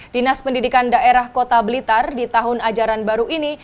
dinas pendidikan daerah kota blitar di tahun ajaran baru ini